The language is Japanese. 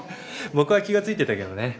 僕は気がついてたけどね。